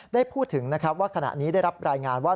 ได้พูดถึงนะครับว่าขณะนี้ได้รับรายงานว่า